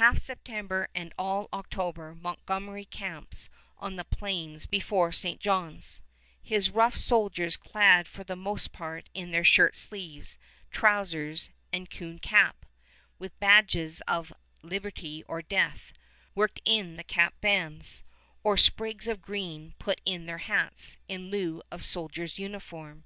Half September and all October Montgomery camps on the plains before Fort St. John's, his rough soldiers clad for the most part in their shirt sleeves, trousers, and coon cap, with badges of "Liberty or Death" worked in the cap bands, or sprigs of green put in their hats, in lieu of soldier's uniform.